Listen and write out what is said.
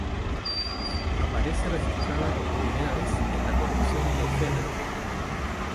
Aparece registrada por primera vez en la colección de Fedro.